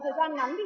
sai cái thương pháp